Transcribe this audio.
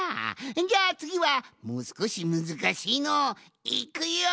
じゃあつぎはもうすこしむずかしいのをいくよん！